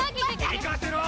行かせろ！